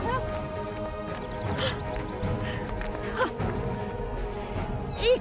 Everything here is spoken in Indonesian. kamu semua parapet